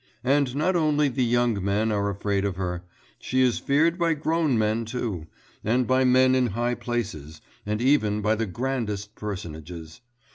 And not only the young men are afraid of her; she is feared by grown men too, and by men in high places, and even by the grandest personages.